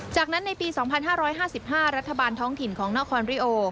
จากนั้นในปี๒๕๕๕รัฐบาลท้องถิ่นของนครริโอ